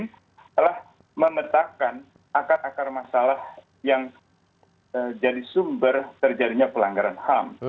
adalah memetakkan akar akar masalah yang jadi sumber terjadinya pelanggaran ham